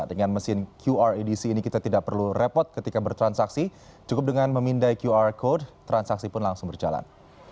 dengan mesin qr edc ini kita tidak perlu repot ketika bertransaksi cukup dengan memindai qr code transaksi pun langsung berjalan